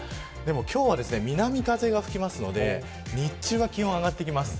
今日は南風が吹きますので日中は気温が上がってきます。